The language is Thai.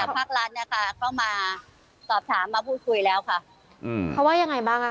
ภาครัฐนะคะเข้ามาสอบถามมาพูดคุยแล้วค่ะเขาว่ายังไงบ้างอ่ะ